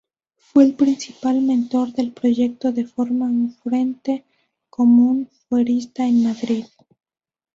Fue el principal mentor del proyecto de formar un frente común fuerista en Madrid.